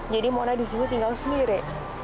jadi mona di sini tinggal sendiri